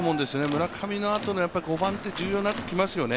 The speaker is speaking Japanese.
村上のあとの５番って重要になってきますよね。